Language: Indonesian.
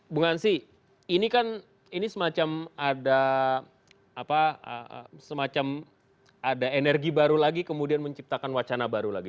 bung hansi ini kan semacam ada energi baru lagi kemudian menciptakan wacana baru lagi